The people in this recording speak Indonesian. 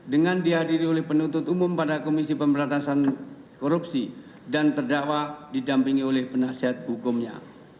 dengan dihadiri oleh penuntut umum pada komisi pemberantasan korupsi dan terdakwa didampingi oleh penasihat hukumnya